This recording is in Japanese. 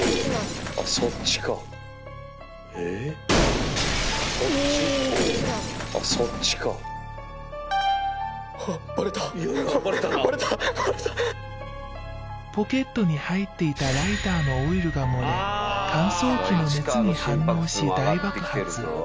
そっちかおおっあっバレたバレたなバレたバレたポケットに入っていたライターのオイルがもれ乾燥機の熱に反応し大爆発